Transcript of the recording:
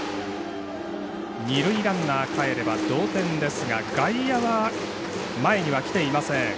二塁ランナーかえれば同点ですが外野は、前には来ていません。